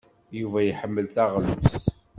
Yuba iḥemmel taɣlust.